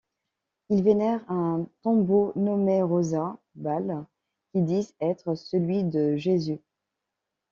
Ils vénèrent un tombeau nommé Roza Bal qu'ils disent être celui de Jésus.